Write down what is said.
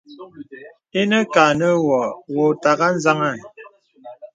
Inə kâ nə wə wɔ̄ è ùtàghà anzaŋɛ̂.